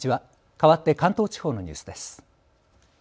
かわって関東地方のニュースです。